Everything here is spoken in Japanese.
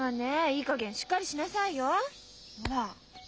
いいかげんしっかりしなさいよ。ほら！